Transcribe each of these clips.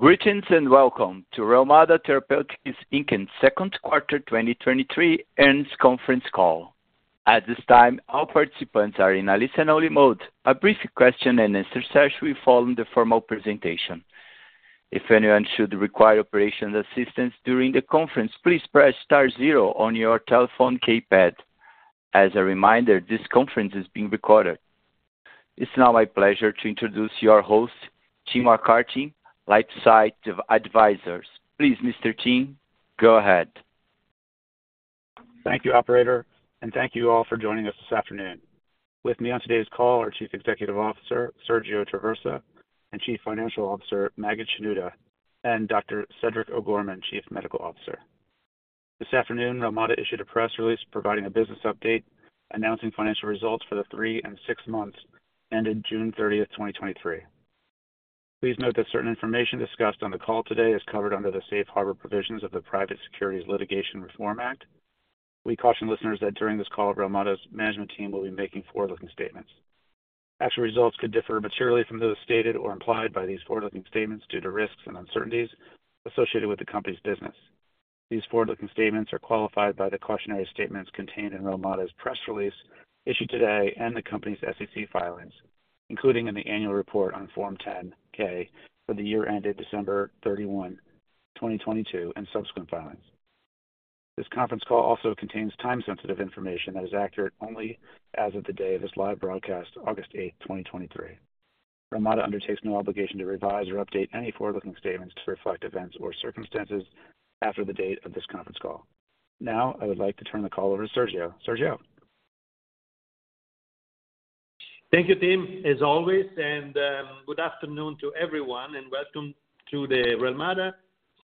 Greetings, welcome to Relmada Therapeutics Inc's second quarter 2023 earnings conference call. At this time, all participants are in a listen-only mode. A brief question and answer session will follow the formal presentation. If anyone should require operational assistance during the conference, please press star zero on your telephone keypad. As a reminder, this conference is being recorded. It's now my pleasure to introduce your host, Tim McCarthy, LifeSci Advisors. Please, Mr. Tim, go ahead. Thank you, operator, thank you all for joining us this afternoon. With me on today's call are Chief Executive Officer, Sergio Traversa, and Chief Financial Officer, Maged Shenouda, and Dr. Cedric O'Gorman, Chief Medical Officer. This afternoon, Relmada issued a press release providing a business update, announcing financial results for the three and six months ended June 30th, 2023. Please note that certain information discussed on the call today is covered under the safe harbor provisions of the Private Securities Litigation Reform Act. We caution listeners that during this call, Relmada's management team will be making forward-looking statements. Actual results could differ materially from those stated or implied by these forward-looking statements due to risks and uncertainties associated with the company's business. These forward-looking statements are qualified by the cautionary statements contained in Relmada's press release issued today and the company's SEC filings, including in the annual report on Form 10-K for the year ended December 31, 2022, and subsequent filings. This conference call also contains time-sensitive information that is accurate only as of the day of this live broadcast, August 8, 2023. Relmada undertakes no obligation to revise or update any forward-looking statements to reflect events or circumstances after the date of this conference call. Now, I would like to turn the call over to Sergio. Sergio? Thank you, Tim, as always, good afternoon to everyone, and welcome to the Relmada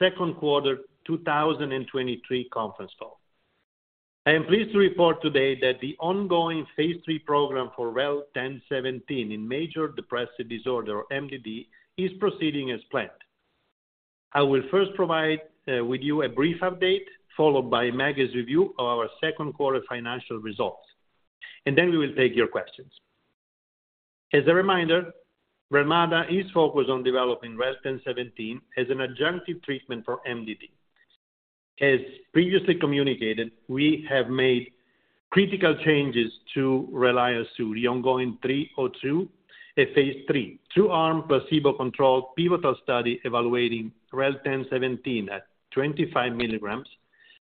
second quarter 2023 conference call. I am pleased to report today that the ongoing phase three program for REL-1017 in major depressive disorder, MDD, is proceeding as planned. I will first provide with you a brief update, followed by Maged's review of our second quarter financial results, and then we will take your questions. As a reminder, Relmada is focused on developing REL-1017 as an adjunctive treatment for MDD. As previously communicated, we have made critical changes to RELIANCE II, the ongoing 302, a phase three, two-arm, placebo-controlled pivotal study evaluating REL-1017 at 25 milligrams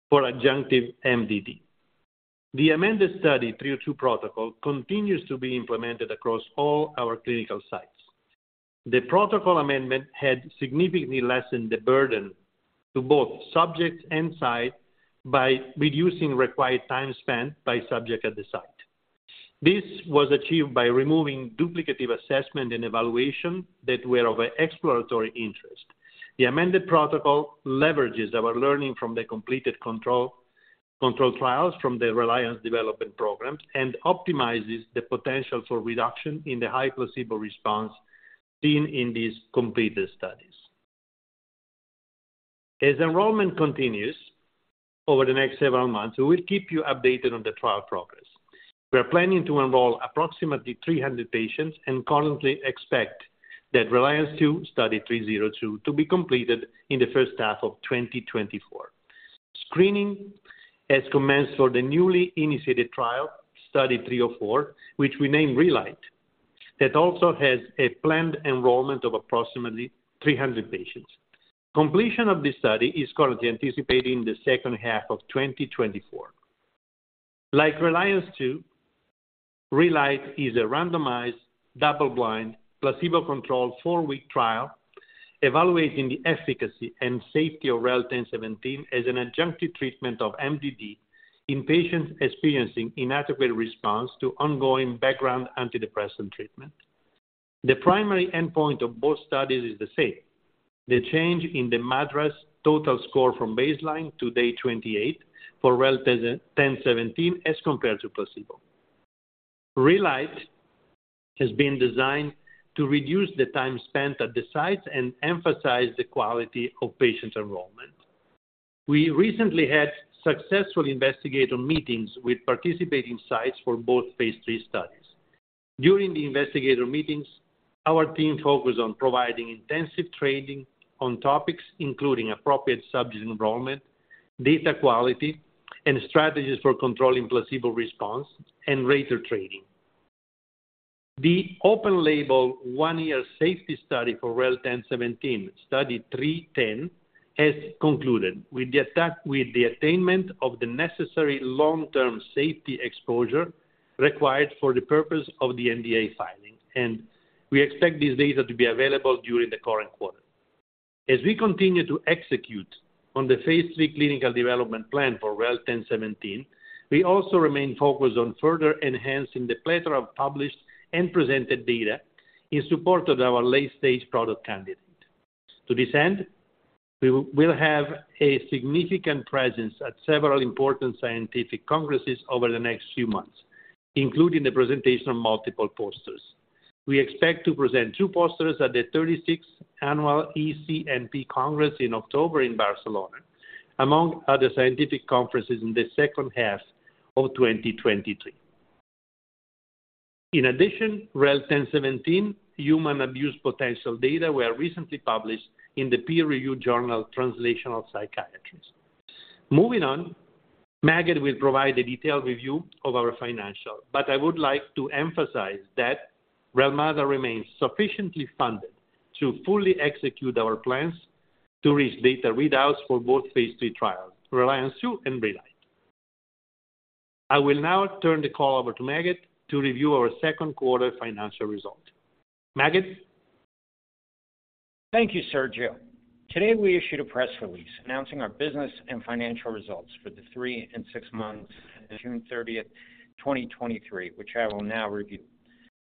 for adjunctive MDD. The amended Study 302 protocol continues to be implemented across all our clinical sites. The protocol amendment had significantly lessened the burden to both subjects and sites by reducing required time spent by subject at the site. This was achieved by removing duplicative assessment and evaluation that were of exploratory interest. The amended protocol leverages our learning from the completed control trials from the RELIANCE development programs and optimizes the potential for reduction in the high placebo response seen in these completed studies. As enrollment continues over the next several months, we will keep you updated on the trial progress. We are planning to enroll approximately 300 patients and currently expect that RELIANCE II Study 302 to be completed in the first half of 2024. Screening has commenced for the newly initiated trial, Study 304, which we named Relight, that also has a planned enrollment of approximately 300 patients. Completion of this study is currently anticipated in the second half of 2024. Like RELIANCE II, Relight is a randomized, double-blind, placebo-controlled, four-week trial evaluating the efficacy and safety of REL-1017 as an adjunctive treatment of MDD in patients experiencing inadequate response to ongoing background antidepressant treatment. The primary endpoint of both studies is the same, the change in the MADRS total score from baseline to day 28 for REL-1017 as compared to placebo. Relight has been designed to reduce the time spent at the sites and emphasize the quality of patient enrollment. We recently had successful investigator meetings with participating sites for both phase three studies. During the investigator meetings, our team focused on providing intensive training on topics including appropriate subject enrollment, data quality, and strategies for controlling placebo response and rater training. The open-label one-year safety study for REL-1017, Study 310, has concluded with the attainment of the necessary long-term safety exposure required for the purpose of the NDA filing. We expect this data to be available during the current quarter. As we continue to execute on the phase three clinical development plan for REL-1017, we also remain focused on further enhancing the plethora of published and presented data in support of our late-stage product candidate. To this end, we will have a significant presence at several important scientific congresses over the next few months, including the presentation of multiple posters. We expect to present two posters at the 36th annual ECNP Congress in October in Barcelona, among other scientific conferences in the second half of 2023. In addition, REL-1017 human abuse potential data were recently published in the peer-reviewed journal, Translational Psychiatry. Moving on, Maged will provide a detailed review of our financial, but I would like to emphasize that Relmada remains sufficiently funded to fully execute our plans to reach data readouts for both phase three trials, RELIANCE II and Relight. I will now turn the call over to Maged to review our second quarter financial results. Maged? Thank you, Sergio. Today, we issued a press release announcing our business and financial results for the three and six months to June 30th, 2023, which I will now review.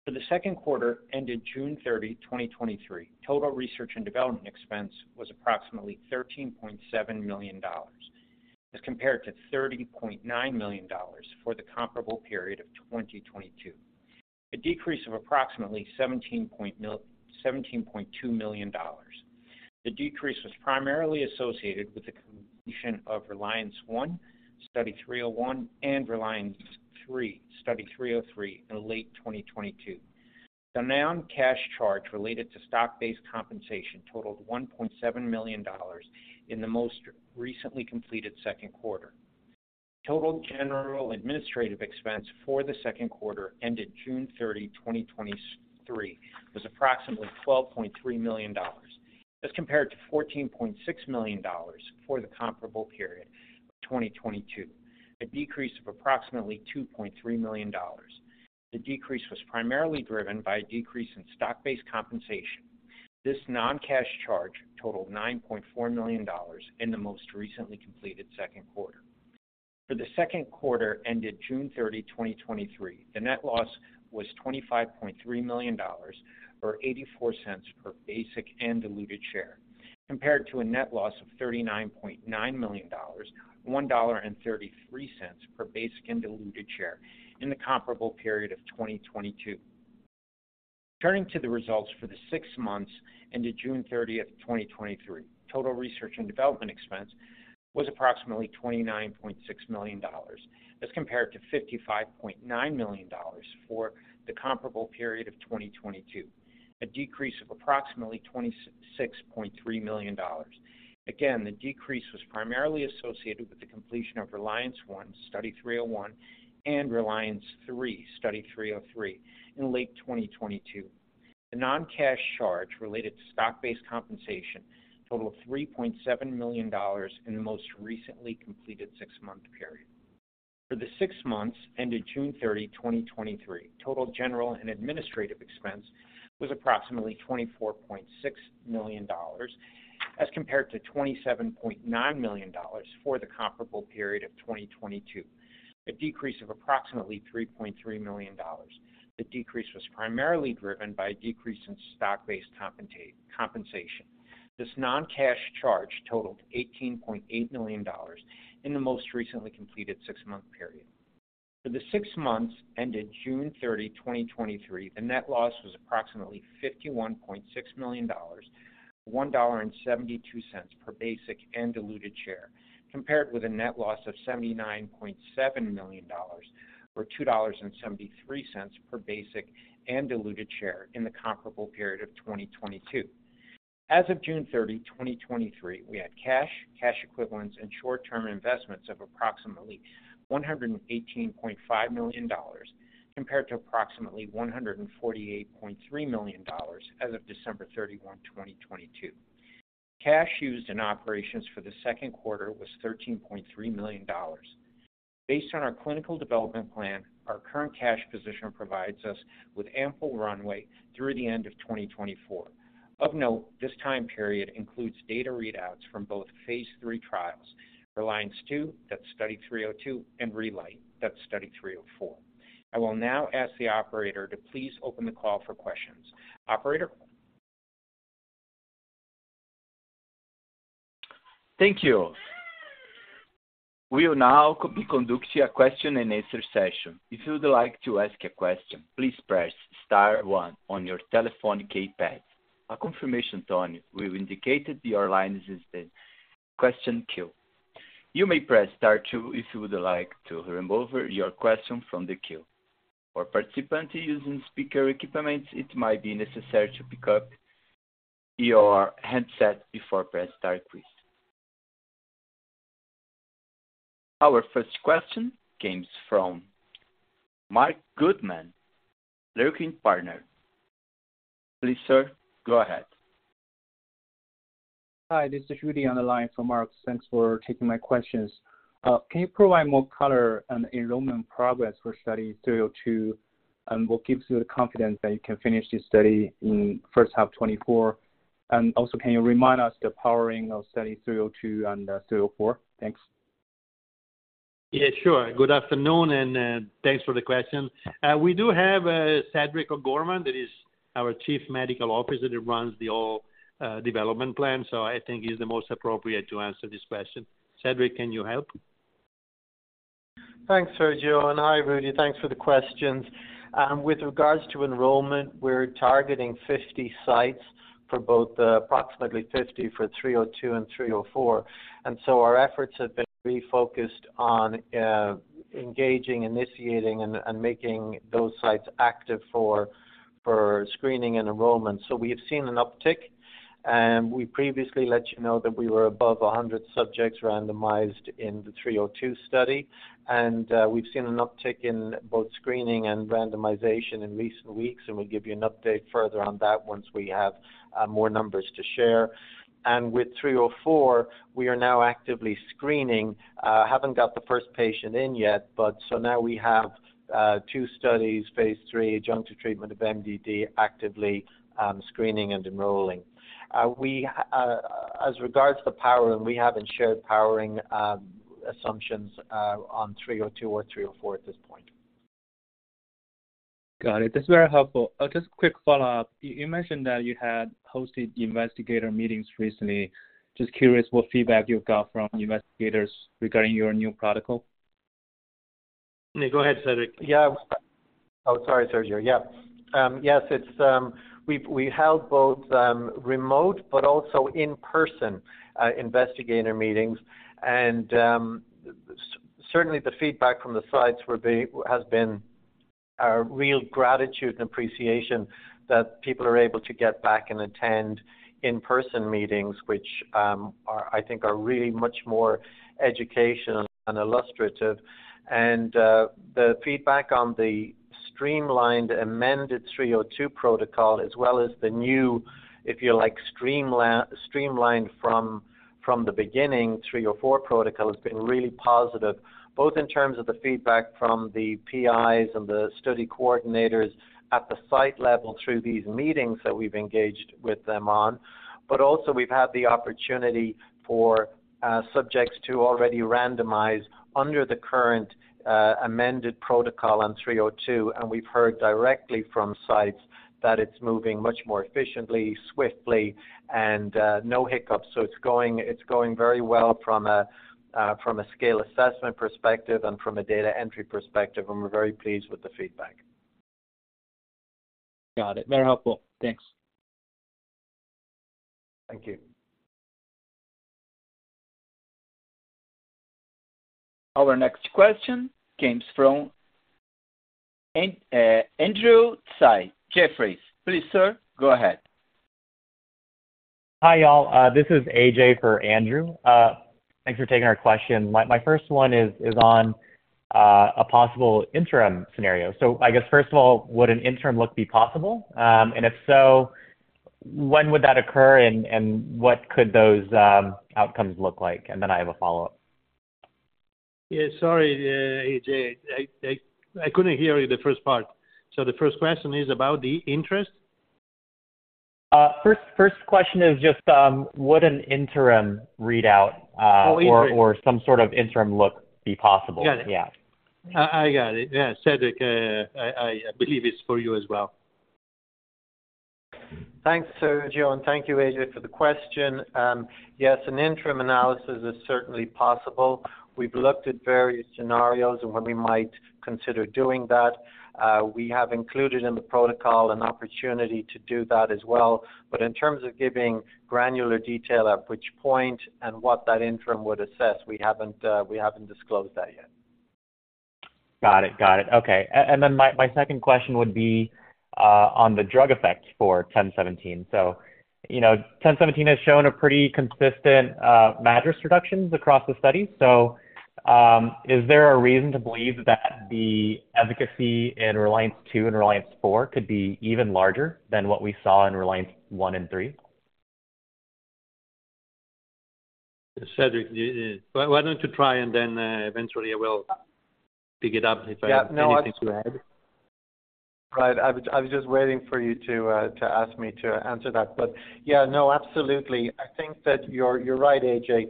For the second quarter ended June 30, 2023, total research and development expense was approximately $13.7 million, as compared to $30.9 million for the comparable period of 2022, a decrease of approximately $17.2 million. The decrease was primarily associated with the completion of RELIANCE I, Study 301, and RELIANCE III, Study 303 in late 2022. The non-cash charge related to stock-based compensation totaled $1.7 million in the most recently completed second quarter. Total general administrative expense for the second quarter ended June 30, 2023, was approximately $12.3 million, as compared to $14.6 million for the comparable period of 2022, a decrease of approximately $2.3 million. The decrease was primarily driven by a decrease in stock-based compensation. This non-cash charge totaled $9.4 million in the most recently completed second quarter. For the second quarter ended June 30, 2023, the net loss was $25.3 million, or $0.84 per basic and diluted share, compared to a net loss of $39.9 million, $1.33 per basic and diluted share in the comparable period of 2022. Turning to the results for the six months ended June 30, 2023. Total research and development expense was approximately $29.6 million, as compared to $55.9 million for the comparable period of 2022, a decrease of approximately $26.3 million. Again, the decrease was primarily associated with the completion of RELIANCE I, Study 301, and RELIANCE III, Study 303 in late 2022. The non-cash charge related to stock-based compensation totaled $3.7 million in the most recently completed six-month period. For the six months ended June 30, 2023, total general and administrative expense was approximately $24.6 million, as compared to $27.9 million for the comparable period of 2022, a decrease of approximately $3.3 million. The decrease was primarily driven by a decrease in stock-based compensation. This non-cash charge totaled $18.8 million in the most recently completed six-month period. For the six months ended June 30, 2023, the net loss was approximately $51.6 million, $1.72 per basic and diluted share, compared with a net loss of $79.7 million, or $2.73 per basic and diluted share in the comparable period of 2022. As of June 30, 2023, we had cash, cash equivalents and short-term investments of approximately $118.5 million, compared to approximately $148.3 million as of December 31, 2022. Cash used in operations for the second quarter was $13.3 million. Based on our clinical development plan, our current cash position provides us with ample runway through the end of 2024. Of note, this time period includes data readouts from both Phase three trials, RELIANCE II, that's Study 302, and Relight, that's Study 304. I will now ask the operator to please open the call for questions. Operator? Thank you. We will now be conducting a question-and-answer session. If you would like to ask a question, please press star one on your telephone keypad. A confirmation tone will indicate that your line is in the question queue. You may press star two if you would like to remove your question from the queue. For participants using speaker equipment, it might be necessary to pick up your handset before pressing star three. Our first question comes from Marc Goodman, Leerink Partners. Please, sir, go ahead. Hi, this is Rudy on the line from Mark. Thanks for taking my questions. Can you provide more color on enrollment progress for Study 302, and what gives you the confidence that you can finish this study in first half 2024? Also, can you remind us the powering of Study 302 and 304? Thanks. Yeah, sure. Good afternoon. Thanks for the question. We do have Cedric O'Gorman, that is our Chief Medical Officer, that runs the all development plan, so I think he's the most appropriate to answer this question. Cedric, can you help? Thanks, Sergio, and hi, Rudy. Thanks for the questions. With regards to enrollment, we're targeting 50 sites for both approximately 50 for 302 and 304. Our efforts have been refocused on engaging, initiating, and making those sites active for screening and enrollment. We have seen an uptick, and we previously let you know that we were above 100 subjects randomized in the 302 study. We've seen an uptick in both screening and randomization in recent weeks, and we'll give you an update further on that once we have more numbers to share. With 304, we are now actively screening, haven't got the first patient in yet, but so now we have two studies, phase three, adjunctive treatment of MDD, actively screening and enrolling. We, as regards to the powering, we haven't shared powering assumptions on 302 or 304 at this point. Got it. That's very helpful. Just quick follow-up. You, you mentioned that you had hosted investigator meetings recently. Just curious what feedback you've got from investigators regarding your new protocol. Yeah, go ahead, Cedric. Yeah. Oh, sorry, Sergio Traversa. Yeah. Yes, it's, we've we held both, remote but also in-person, investigator meetings. Certainly the feedback from the sites has been a real gratitude and appreciation that people are able to get back and attend in-person meetings, which, I think are really much more educational and illustrative. The feedback on the streamlined amended Study 302 protocol, as well as the new, if you like, streamlined from the beginning Study 304 protocol, has been really positive. Both in terms of the feedback from the PIs and the study coordinators at the site level through these meetings that we've engaged with them on. Also we've had the opportunity for subjects to already randomize under the current amended protocol on 302, and we've heard directly from sites that it's moving much more efficiently, swiftly, and no hiccups. It's going, it's going very well from a scale assessment perspective and from a data entry perspective, and we're very pleased with the feedback. Got it. Very helpful. Thanks. Thank you. Our next question comes from Andrew Tsai, Jefferies. Please, sir, go ahead. Hi, y'all. This is AJ for Andrew. Thanks for taking our question. My, my first one is, is on a possible interim scenario. I guess, first of all, would an interim look be possible? If so, when would that occur, and, and what could those outcomes look like? Then I have a follow-up. Yeah. Sorry, AJ, I, I, I couldn't hear you the first part. The first question is about the interest? First, first question is just, would an interim readout? Oh, interim. Some sort of interim look be possible? Got it. Yeah. I, I got it. Yeah. Cedric, I, I believe it's for you as well. Thanks, Sergio, and thank you, AJ, for the question. Yes, an interim analysis is certainly possible. We've looked at various scenarios and when we might consider doing that. We have included in the protocol an opportunity to do that as well. In terms of giving granular detail at which point and what that interim would assess, we haven't, we haven't disclosed that yet. Got it. Got it. Okay. Then my, my second question would be on the drug effects for REL-1017. You know, REL-1017 has shown a pretty consistent MADRS reductions across the study. Is there a reason to believe that the efficacy in RELIANCE II and RELIANCE IV could be even larger than what we saw in RELIANCE I and III? Cedric, why don't you try, and then eventually I will pick it up if I. Yeah, no. Have anything to add? Right. I was, I was just waiting for you to ask me to answer that. Yeah, no, absolutely. I think that you're, you're right, AJ.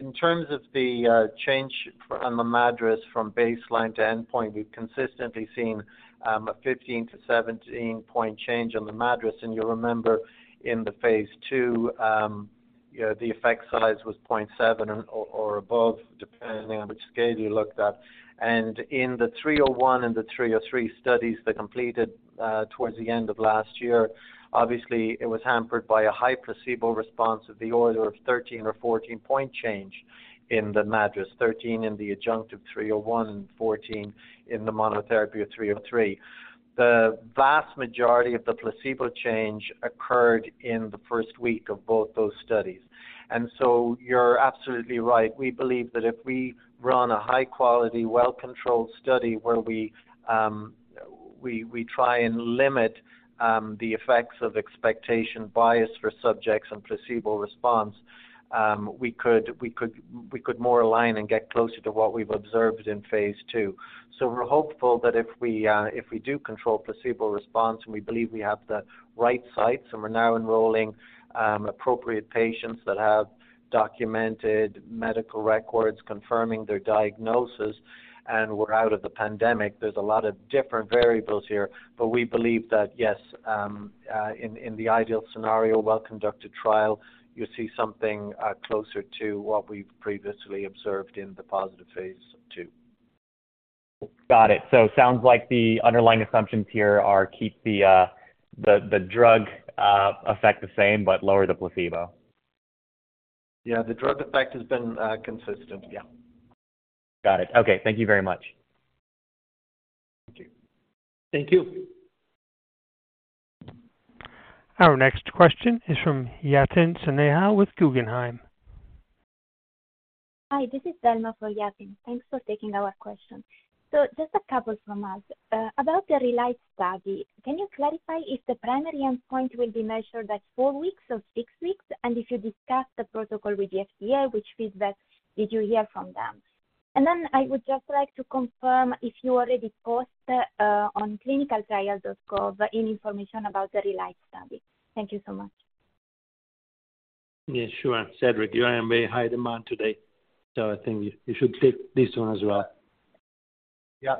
In terms of the change from the MADRS from baseline to endpoint, we've consistently seen a 15 to 17 point change on the MADRS. You'll remember in the phase two, you know, the effect size was 0.7 or above, depending on which scale you looked at. In the 301 and the 303 studies that completed towards the end of last year, obviously, it was hampered by a high placebo response of the order of 13 or 14 point change in the MADRS, 13 in the adjunctive 301 and 14 in the monotherapy of 303. The vast majority of the placebo change occurred in the first week of both those studies. You're absolutely right. We believe that if we run a high-quality, well-controlled study where we, we, we try and limit the effects of expectation bias for subjects and placebo response, we could, we could, we could more align and get closer to what we've observed in phase two. We're hopeful that if we do control placebo response, and we believe we have the right sites, and we're now enrolling appropriate patients that have documented medical records confirming their diagnosis, and we're out of the pandemic. There's a lot of different variables here, but we believe that, yes, in, in the ideal scenario, well conducted trial, you'll see something closer to what we've previously observed in the positive phase two. Got it. Sounds like the underlying assumptions here are keep the, the, the drug, effect the same, but lower the placebo. Yeah, the drug effect has been consistent. Yeah. Got it. Okay. Thank you very much. Thank you. Our next question is from Yatin Suneja with Guggenheim. Hi, this is Delma for Yatin. Thanks for taking our question. Just a couple from us. About the Relight study, can you clarify if the primary endpoint will be measured at four weeks or six weeks? If you discuss the protocol with the FDA, which feedback did you hear from them? I would just like to confirm if you already post on ClinicalTrials.gov any information about the Relight study. Thank you so much. Yeah, sure. Cedric, you are in very high demand today. I think you should take this one as well. Yeah.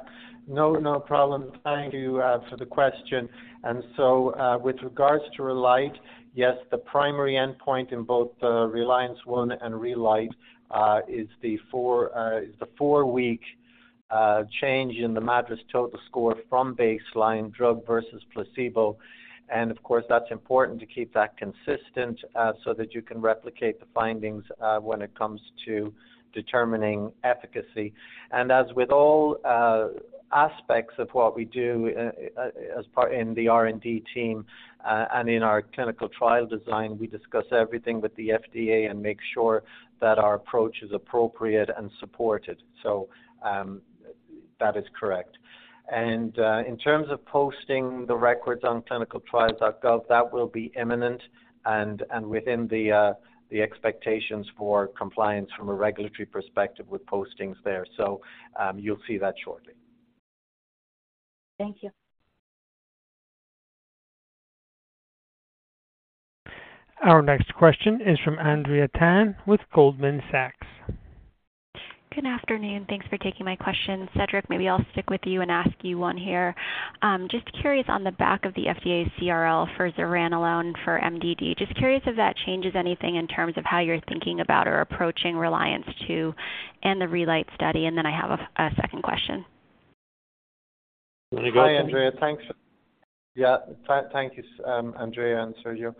No, no problem. Thank you for the question. With regards to Relight yes, the primary endpoint in both the RELIANCE I and Relight is the four-week change in the MADRS total score from baseline, drug versus placebo. Of course, that's important to keep that consistent so that you can replicate the findings when it comes to determining efficacy. As with all aspects of what we do in the R&D team, and in our clinical trial design, we discuss everything with the FDA and make sure that our approach is appropriate and supported. That is correct. In terms of posting the records on ClinicalTrials.gov, that will be imminent and within the expectations for compliance from a regulatory perspective with postings there. You'll see that shortly. Thank you. Our next question is from Andrea Tan with Goldman Sachs. Good afternoon. Thanks for taking my question. Cedric, maybe I'll stick with you and ask you one here. Just curious, on the back of the FDA's CRL for zuranolone for MDD, just curious if that changes anything in terms of how you're thinking about or approaching RELIANCE II and the Relight study, and then I have a second question. You want to go? Hi, Andrea. Thanks. Yeah, thank you, Andrea and Sergio.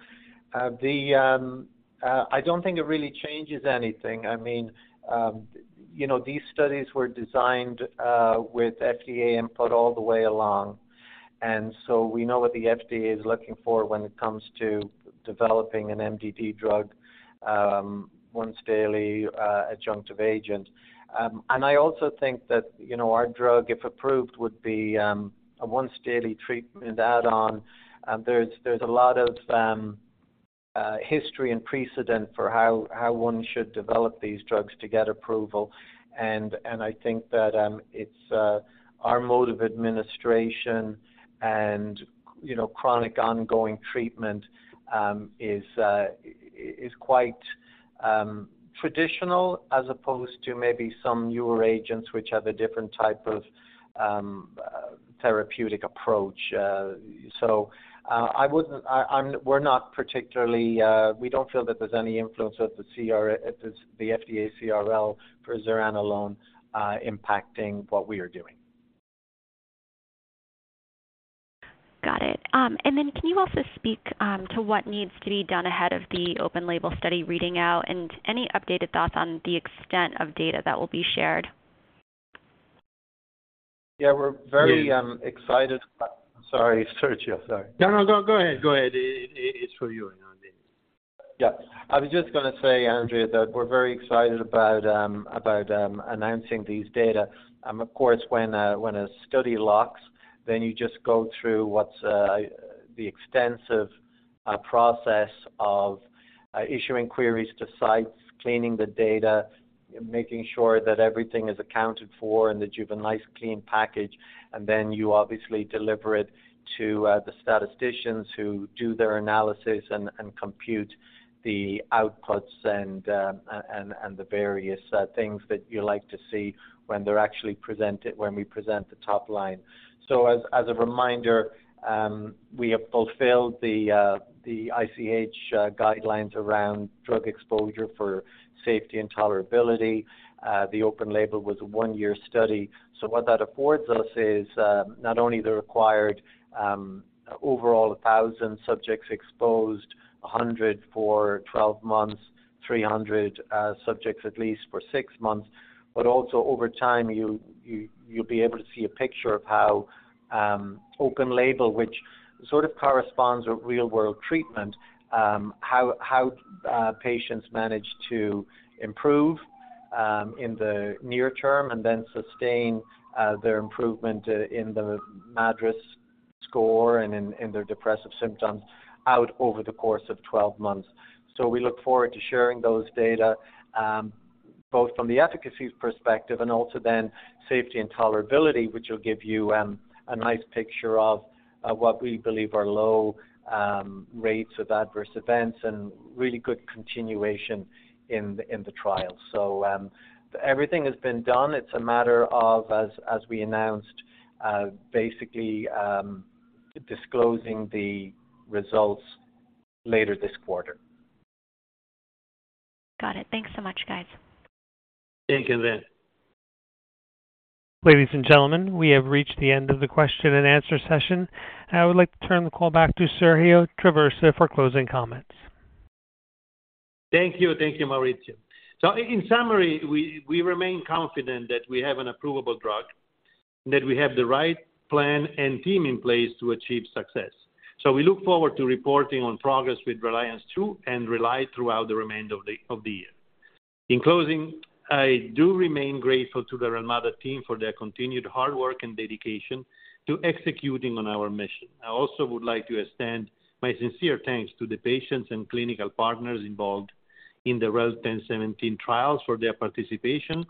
I don't think it really changes anything. I mean, you know, these studies were designed with FDA input all the way along, and so we know what the FDA is looking for when it comes to developing an MDD drug, once daily, adjunctive agent. I also think that, you know, our drug, if approved, would be a once daily treatment add-on. There's, there's a lot of history and precedent for how, how one should develop these drugs to get approval. I think that it's our mode of administration and, you know, chronic ongoing treatment is quite traditional, as opposed to maybe some newer agents which have a different type of therapeutic approach. I wouldn't, I'm, we're not particularly, we don't feel that there's any influence of the FDA CRL for zuranolone impacting what we are doing. Got it. Can you also speak to what needs to be done ahead of the open-label study reading out, and any updated thoughts on the extent of data that will be shared? Yeah, we're very excited. Sorry, Sergio, sorry. No, no, go, go ahead. Go ahead. It, it, it's for you, you know what I mean. Yeah. I was just gonna say, Andrea, that we're very excited about announcing these data. Of course, when a study locks, then you just go through what's the extensive process of issuing queries to sites, cleaning the data, making sure that everything is accounted for and that you have a nice, clean package, and then you obviously deliver it to the statisticians who do their analysis and compute the outputs and the various things that you like to see when they're actually presented, when we present the top line. As a reminder, we have fulfilled the ICH guidelines around drug exposure for safety and tolerability. The open label was a one-year study. What that affords us is not only the required overall 1,000 subjects exposed, 100 for 12 months, 300 subjects at least for six months, but also over time, you'll be able to see a picture of how open label, which sort of corresponds with real-world treatment, how patients manage to improve in the near term and then sustain their improvement in the MADRS score and in their depressive symptoms out over the course of 12 months. We look forward to sharing those data, both from the efficacy perspective and also then safety and tolerability, which will give you a nice picture of what we believe are low rates of adverse events and really good continuation in the trial. Everything has been done. It's a matter of, as, as we announced, basically, disclosing the results later this quarter. Got it. Thanks so much, guys. Thank you, then. Ladies and gentlemen, we have reached the end of the question and answer session. I would like to turn the call back to Sergio Traversa for closing comments. Thank you. Thank you, Maurizio. In summary, we remain confident that we have an approvable drug, that we have the right plan and team in place to achieve success. We look forward to reporting on progress with RELIANCE II and Relight throughout the remainder of the year. In closing, I do remain grateful to the Relmada team for their continued hard work and dedication to executing on our mission. I also would like to extend my sincere thanks to the patients and clinical partners involved in the REL-1017 trials for their participation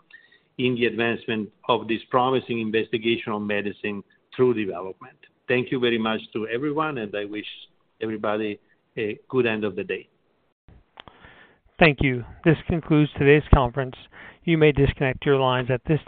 in the advancement of this promising investigational medicine through development. Thank you very much to everyone. I wish everybody a good end of the day. Thank you. This concludes today's conference. You may disconnect your lines at this time.